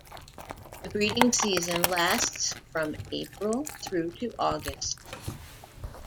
The breeding season lasts from April through to August.